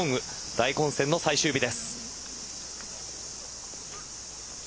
大混戦の最終日です。